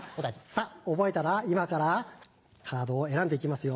さぁ覚えたら今からカードを選んで行きますよ。